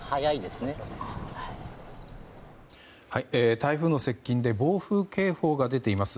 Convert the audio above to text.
台風の接近で暴風警報が出ています。